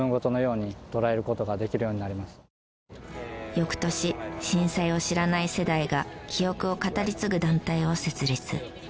翌年震災を知らない世代が記憶を語り継ぐ団体を設立。